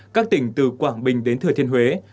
các tỉnh từ quảng bình đến thừa thiên huế